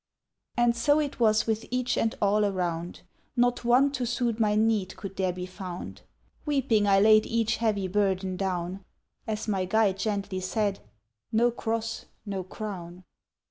And so it was with each and all around, Not one to suit my need could there be found; Weeping, I laid each heavy burden down, As my Guide gently said, "No cross, no crown."